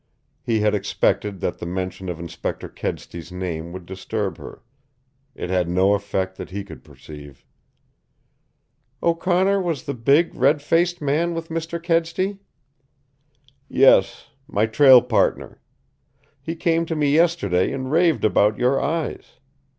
He had expected that the mention of Inspector Kedsty's name would disturb her. It had no effect that he could perceive. "O'Connor was the big, red faced man with Mr. Kedsty?" "Yes, my trail partner. He came to me yesterday and raved about your eyes.